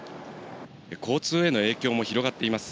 交通への影響も広がっています。